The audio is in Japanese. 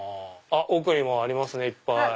奥にもありますねいっぱい。